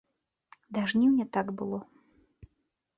Да жніўня так было.